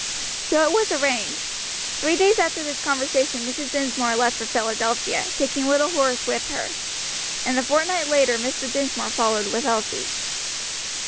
So it was arranged; three days after this conversation Mrs. Dinsmore left for Philadelphia, taking little Horace with her, and a fortnight later Mr. Dinsmore followed with Elsie.